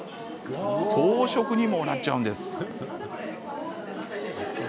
装飾にもなっちゃうんですね。